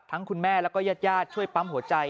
ทั้งคุณแม่และยัดยาดช่วยปั๊มหัวใจ